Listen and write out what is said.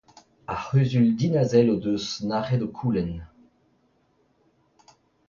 Ar c'huzul dinazel en deus nac'het ho koulenn.